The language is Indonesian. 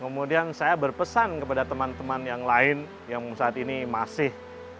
kemudian saya berpesan kepada teman teman yang lain yang saat ini masih